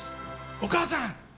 お母さん！